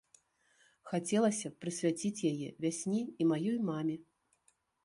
Хацелася б прысвяціць яе вясне і маёй маме.